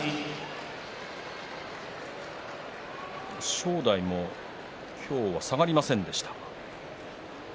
正代も今日は下がりませんでした。